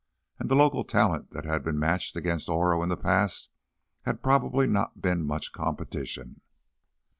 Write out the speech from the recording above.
And the local talent that had been matched against Oro in the past had probably not been much competition.